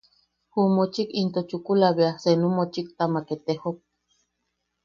Ju mochik into chukula bea seenu mochiktamak etejok.